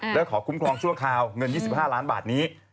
และขอคุ้มครองชั่วคราวเงิน๒๕ล้านบาทนี้